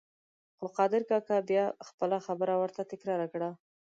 خو قادر کاکا بیا خپله خبره ورته تکرار کړه.